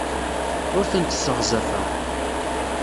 Ur tent-sseɣzafeɣ.